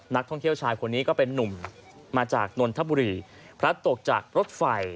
นักท่องเที่ยวชายคนนี้ก็เป็นนุ่มมาจากนนทบุรีพลัดตกจากรถไฟ